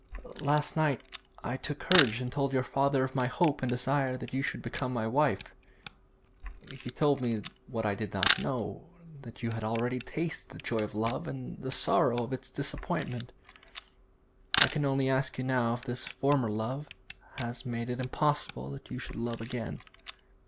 Last night I took courage and told your father of my hope and desire that you should become my wife. He told me what I did not know, that you have already tasted the joy of love and the sorrow of its disappointment. I can only ask you now if this former love has made it impossible that you should love again.'